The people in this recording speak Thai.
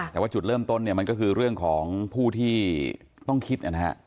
แต่ว่าจุดเริ่มต้นเนี่ยมันก็คือเรื่องของผู้ที่ต้องคิดนะฮะ